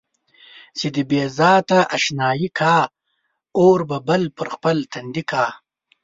چې د بې ذاته اشنايي کا اور به بل پر خپل تندي کا.